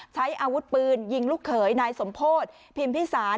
ใช้อาวุธปืนยิงลูกเขยนายสมโพธิพิมพิสาร